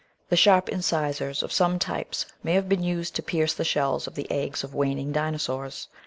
The sharp incisors of some types may have been used to pierce the shells of the eggs of waning Dinosaurs.